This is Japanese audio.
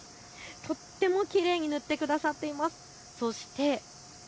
とってもきれいに塗ってくださっています。